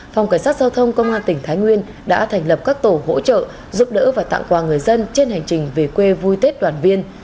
phòng cảnh sát giao thông công an tỉnh thái nguyên đã thành lập các tổ hỗ trợ giúp đỡ và tặng quà người dân trên hành trình về quê vui tết đoàn viên